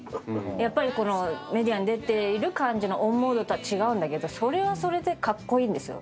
やっぱりこのメディアに出ている感じのオンモードとは違うんだけどそれはそれでカッコイイんですよ。